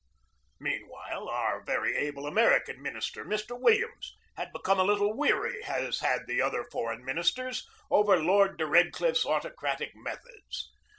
Meanwhile our very able American minister, Mr. Williams, had become a little weary, as had the other foreign ministers, over Lord de Redcliffe's autocratic methods.